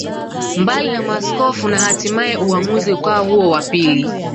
Mbali na maaskofu na hatimae uamuzi ukawa huo wa pili